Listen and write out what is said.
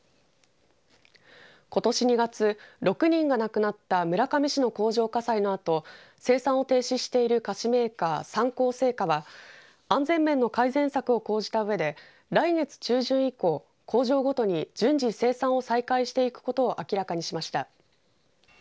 ことし２月６人が亡くなった村上市の工場火災のあと生産を停止している菓子メーカー三幸製菓は安全面の改善策を講じたうえで来月中旬以降工場ごとに順次生産を再開していくことを明らかにしました。